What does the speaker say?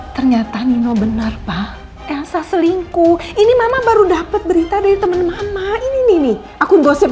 ternyata nino benar pak elsa selingkuh ini mama baru dapat berita dari teman mama ini nih aku gosip